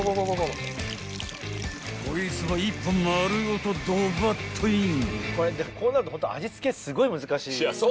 ［こいつも１本丸ごとドバッとイン］